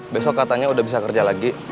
besok katanya udah bisa kerja lagi